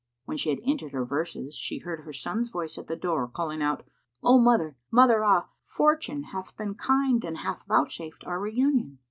When she had ended her verses, she heard her son's voice at the door, calling out, "O mother, mother ah! fortune hath been kind and hath vouchsafed our reunion!"